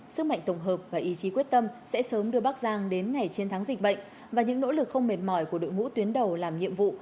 sức mạnh tổng hợp và ý chí quyết tâm sẽ sớm đưa bắc giang đến ngày chiến thắng dịch bệnh và những nỗ lực không mệt mỏi của đội ngũ tuyến đầu làm nhiệm vụ